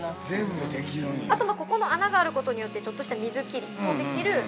◆あと、ここの穴があることによってちょっとした水切りもできる。